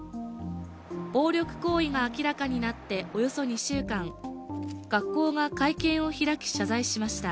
暴力行為が明らかになっておよそ２週間学校が会見を開き、謝罪しました。